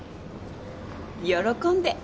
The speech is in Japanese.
喜んで。